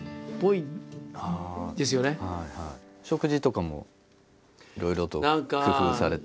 食事とかもいろいろと工夫されて？